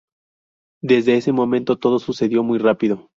Desde ese momento todo sucedió muy rápido.